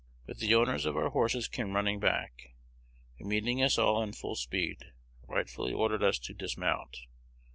But the owners of our horses came running back, and, meeting us all in full speed, rightfully ordered us to dismount.